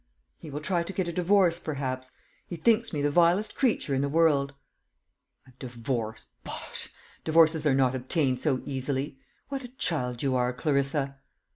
"He will try to get a divorce, perhaps. He thinks me the vilest creature in the world." "A divorce bosh! Divorces are not obtained so easily. What a child you are, Clarissa!"